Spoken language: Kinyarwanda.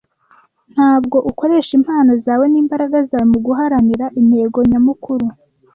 ntabwo ukoresha impano zawe nimbaraga zawe muguharanira intego nyamukuru.